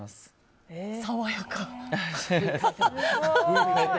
爽やか！